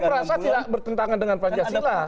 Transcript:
saya merasa tidak bertentangan dengan pancasila